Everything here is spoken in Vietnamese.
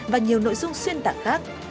và nhiều nội dung xuyên tạng khác